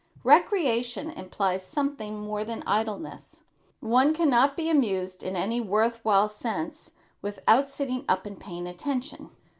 Recreation implies something more than idleness. One can not be amused in any worth while sense without sitting up and paying attention.